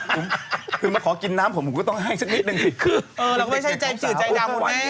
คือมาขอกินน้ำผมก็ต้องให้สักนิดหนึ่งสิเออแล้วก็ไม่ใช่สื่อใจดาวหมดไง